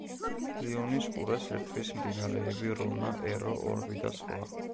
ლიონის ყურეს ერთვის მდინარეები: რონა, ერო, ორბი და სხვა.